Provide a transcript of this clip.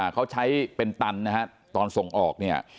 เขาใช้เป็นตันตอนส่งออก